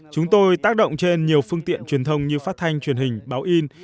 chúng tôi tác động trên nhiều phương tiện truyền thông như phát thanh truyền hình báo in